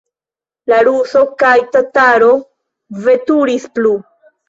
La ruso kaj tataro veturis plu.